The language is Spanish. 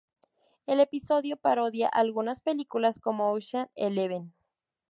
El episodio parodia algunas películas como Ocean's Eleven.